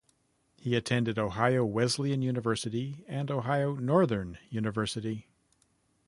He attended Ohio Wesleyan University and Ohio Northern University.